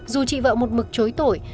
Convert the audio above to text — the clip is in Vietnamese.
dù chị vợ một mực chối tội